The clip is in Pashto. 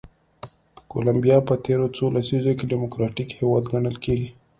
کولمبیا په تېرو څو لسیزو کې ډیموکراتیک هېواد ګڼل کېږي.